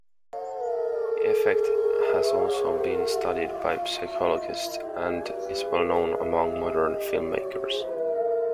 The effect has also been studied by psychologists, and is well-known among modern filmmakers.